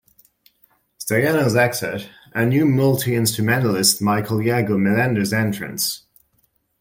Staiano's exit, and new multi-instrumentalist Michael Iago Mellender's entrance.